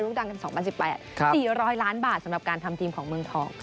ลูกดังกันสองพันสิบแปดครับสี่ร้อยล้านบาทสำหรับการทำทีมของเมืองทอง